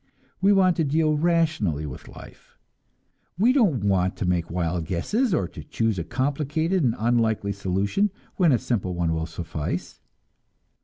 We want to deal rationally with life; we don't want to make wild guesses, or to choose a complicated and unlikely solution when a simple one will suffice.